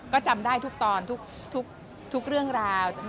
ก็จำได้ทุกตอนทุกเรื่องราว